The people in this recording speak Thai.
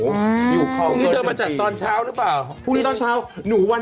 อยู่ครอบเกิน๑ปีคือเธอมาจัดตอนเช้าหรือเปล่า